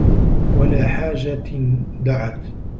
وَلَا حَاجَةٍ دَعَتْ